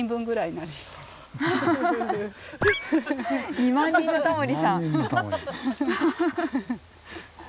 ２万人のタモリ。